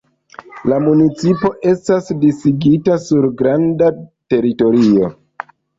La municipo estas disigita sur granda teritorio.